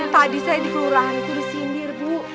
tadi saya dikelolaan itu di sindir bu